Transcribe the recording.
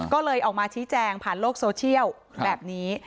ก็เลยออกมาชี้แจงผ่านโลกโซเชียลแบบนี้